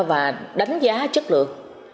và đánh giá chất lượng